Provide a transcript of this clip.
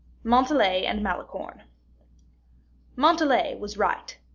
Montalais and Malicorne. Montalais was right. M.